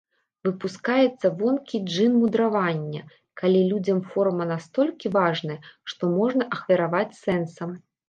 Выпускаецца вонкі джын мудравання, калі людзям форма настолькі важная, што можна ахвяраваць сэнсам.